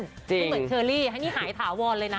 คือเหมือนเชอรี่ให้นี่หายถาวรเลยนะ